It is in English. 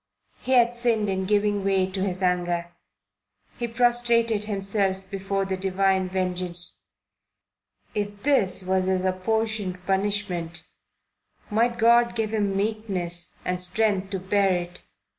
He had sinned in giving way to his anger. He prostrated himself before the divine vengeance. If this was his apportioned punishment, might God give him meekness and strength to bear it.